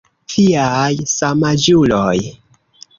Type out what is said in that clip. Viaj samaĝuloj.